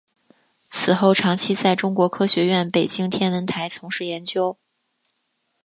此后长期在中国科学院北京天文台从事研究。